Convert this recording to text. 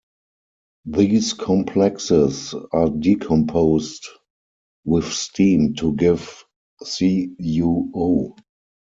These complexes are decomposed with steam to give CuO.